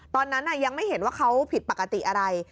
ตอนนั้นยังไม่เห็นว่าเขาผิดปกติอะไร